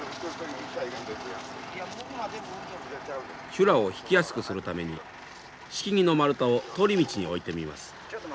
修羅を引きやすくするために敷木の丸太を通り道に置いてみます。